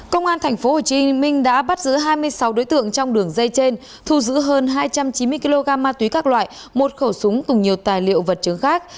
công an tp hcm đã bắt giữ hai mươi sáu đối tượng trong đường dây trên thu giữ hơn hai trăm chín mươi kg ma túy các loại một khẩu súng cùng nhiều tài liệu vật chứng khác